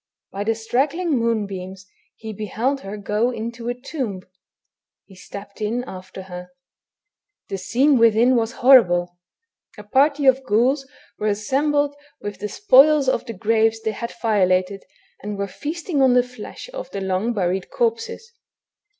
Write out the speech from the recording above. By the straggling moonbeams he beheld her go into a tomb ; he stepped in after her. The scene within was horrible. A party of ghouls were assembled with the spoils of the graves they had violated, and were feasting on the flesh of the long buried corpses.